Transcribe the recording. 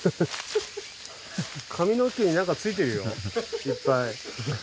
髪の毛に何かついてるよいっぱい。